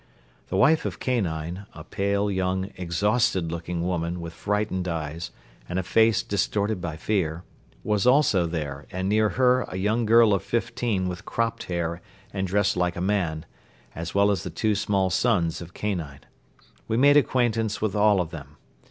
The wife of Kanine, a pale, young, exhausted looking woman with frightened eyes and a face distorted by fear, was also there and near her a young girl of fifteen with cropped hair and dressed like a man, as well as the two small sons of Kanine. We made acquaintance with all of them.